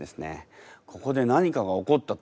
ここで何かが起こったと？